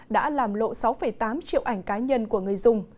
đã làm lộ sáu tám triệu ảnh cá nhân của người dùng